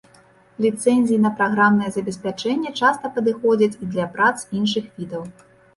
Ліцэнзіі на праграмнае забеспячэнне часта падыходзяць і для прац іншых відаў.